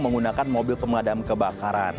menggunakan mobil pemadam kebakaran